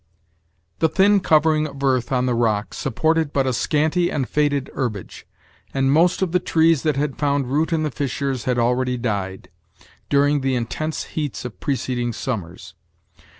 The thin covering of earth on the rock supported but a scanty and faded herbage, and most of the trees that had found root in the fissures had already died, during the in tense heats of preceding summers.